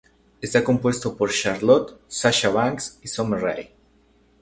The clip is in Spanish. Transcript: Está compuesto por Charlotte, Sasha Banks, Summer Rae.